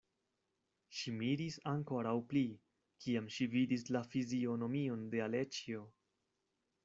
Ŝi miris ankoraŭ pli, kiam ŝi vidis la fizionomion de Aleĉjo.